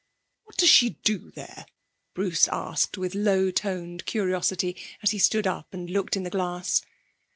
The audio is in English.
'What does she do there?' Bruce asked with low toned curiosity, as he stood up and looked in the glass.